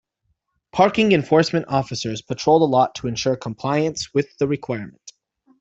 Parking enforcement officers patrol the lot to ensure compliance with the requirement.